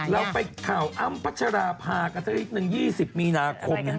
เราไปข่าวอ้ำพัชราภาคสักอีกหนึ่งยี่สิบมีนาคม